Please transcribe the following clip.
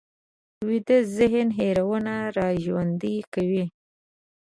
ویده ذهن هېرونه راژوندي کوي